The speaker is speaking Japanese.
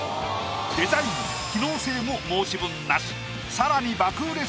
デザイン機能性も申し分なしさらに。